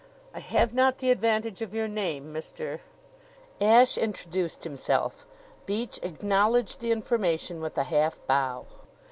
"I have not the advantage of your name, Mr. " Ashe introduced himself. Beach acknowledged the information with a half bow.